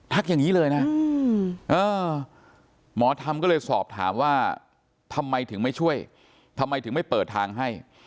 อย่างนี้เลยนะหมอธรรมก็เลยสอบถามว่าทำไมถึงไม่ช่วยทำไมถึงไม่เปิดทางให้